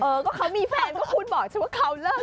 เออก็เขามีแฟนก็คุณบอกฉันว่าเขาเลิก